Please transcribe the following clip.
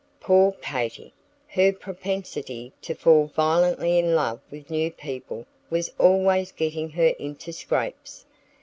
Poor Katy! Her propensity to fall violently in love with new people was always getting her into scrapes.